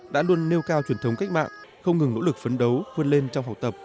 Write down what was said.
đã luôn nêu cao truyền thống cách mạng không ngừng nỗ lực phấn đấu vươn lên trong học tập